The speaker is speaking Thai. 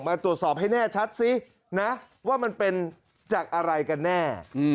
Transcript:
มาตรวจสอบให้แน่ชัดซินะว่ามันเป็นจากอะไรกันแน่